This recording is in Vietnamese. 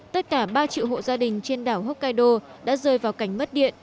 tất cả ba triệu hộ gia đình trên đảo hokkaido đã rơi vào cảnh mất điện